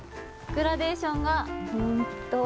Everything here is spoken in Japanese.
グラデーションが。